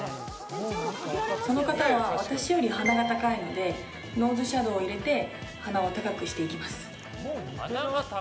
その方は私より鼻が高いのでノーズシャドウを入れて鼻を高くしていきます。